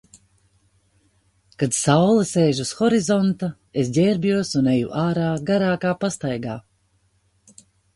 Kad saule sēž uz horizonta, es ģērbjos un eju ārā garākā pastaigā.